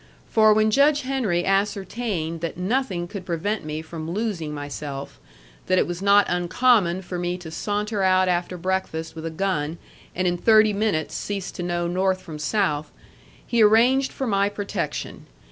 For when Judge Henry ascertained that nothing could prevent me from losing myself, that it was not uncommon for me to saunter out after breakfast with a gun and in thirty minutes cease to know north from south, he arranged for my protection.